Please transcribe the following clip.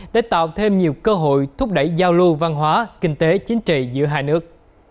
để tạo thêm nhiều cơ hội thúc đẩy giao lưu văn hóa kinh tế chính trị giữa hai nước